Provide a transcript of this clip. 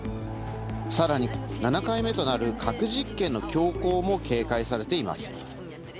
更に７回目となる核実験の強行も警戒されています。